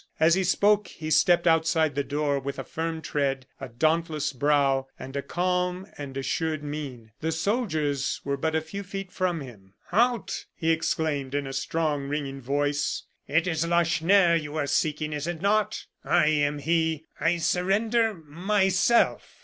As he spoke, he stepped outside the door, with a firm tread, a dauntless brow, a calm and assured mien. The soldiers were but a few feet from him. "Halt!" he exclaimed, in a strong, ringing voice. "It is Lacheneur you are seeking, is it not? I am he! I surrender myself."